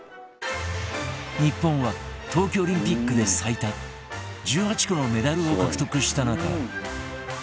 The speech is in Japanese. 日本は冬季オリンピックで最多１８個のメダルを獲得した中